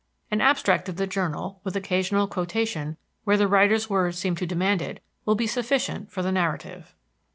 An abstract of the journal, with occasional quotation where the writer's words seem to demand it, will be sufficient for the narrative.